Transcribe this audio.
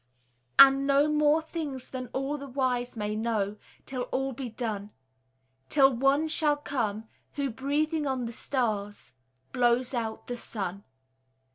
And know more things than all the wise may know Till all be done; Till One shall come who, breathing on the stars, Blows out the sun.